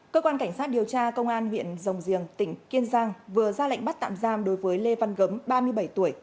cơ quan cảnh sát điều tra công an huyện rồng riềng tỉnh kiên giang vừa ra lệnh bắt tạm giam đối với lê văn gấm ba mươi bảy tuổi